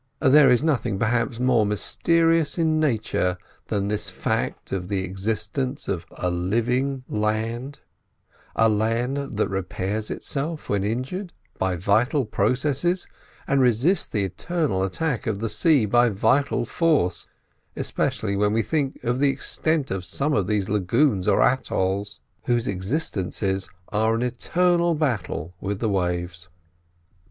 There is nothing, perhaps, more mysterious in nature than this fact of the existence of a living land: a land that repairs itself, when injured, by vital processes, and resists the eternal attack of the sea by vital force, especially when we think of the extent of some of these lagoon islands or atolls, whose existences are an eternal battle with the waves.